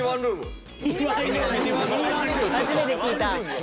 初めて聞いた。